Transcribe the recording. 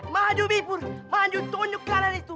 mahadu bipur mahadu tunjukkanan itu